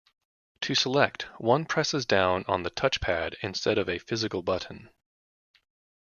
To select, one presses down on the touchpad instead of a physical button.